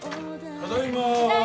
ただいまー。